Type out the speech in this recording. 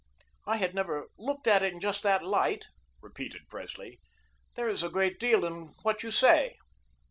"I had never looked at it in just that light," repeated Presley. "There is a great deal in what you say."